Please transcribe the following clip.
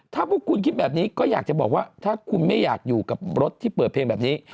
ถ้าพวกคุณคิดแบบนี้ก็อยากจะบอกว่าถ้าคุณไม่อยากอยู่กับรถที่เปิดเพลงแบบนี้